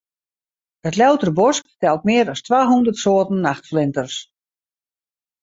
It Ljouwerter Bosk telt mear as twa hûndert soarten nachtflinters.